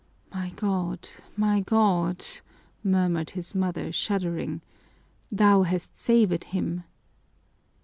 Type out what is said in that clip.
"My God, my God!" murmured his mother, shuddering. "Thou hast saved him!"